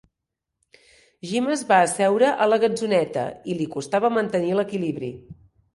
Jim es va asseure a la gatzoneta i li costava mantenir l'equilibri.